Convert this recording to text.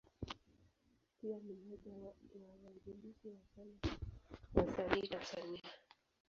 Pia ni mmoja ya waanzilishi wa Chama cha Wasanii Tanzania.